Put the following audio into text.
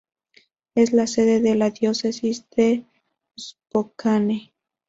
Es la sede de la Diócesis de Spokane.